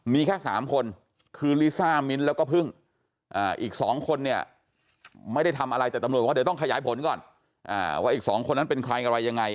มีแค่๓คนคือลิซ่ามิ้นแล้วก็พึ่งอีก๒คนเนี่ยไม่ได้ทำอะไรแต่ตำรวจบอกว่าเดี๋ยวต้องขยายผลก่อนว่าอีก๒คนนั้นเป็นใครอะไรยังไง